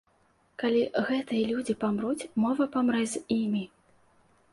Калі гэтыя людзі памруць, мова памрэ з імі.